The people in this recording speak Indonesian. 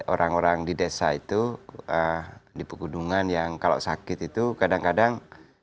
orang orang di desa itu di pegunungan yang kalau sakit itu kadang kadang